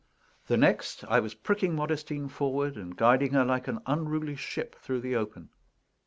The next, I was pricking Modestine forward, and guiding her like an unruly ship through the open.